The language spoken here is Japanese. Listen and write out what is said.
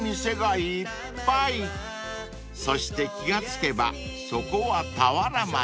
［そして気が付けばそこは田原町］